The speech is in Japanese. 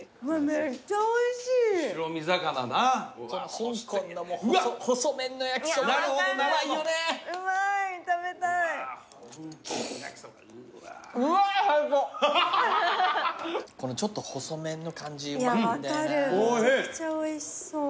めちゃくちゃおいしそう。